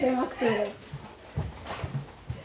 はい。